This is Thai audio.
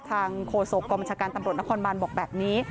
ทางโคโศกความบัญชาการตำรวจนครบันบอกแบบนี้